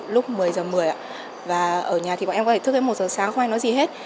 lúc một mươi h một mươi và ở nhà thì bọn em có thể thức đến một h sáng không ai nói gì hết